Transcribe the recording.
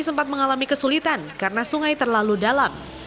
sempat mengalami kesulitan karena sungai terlalu dalam